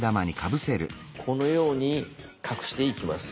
このように隠していきます。